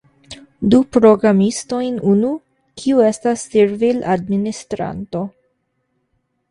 Du programistojn unu, kiu estas servil-administranto